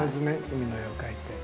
海の絵を描いて。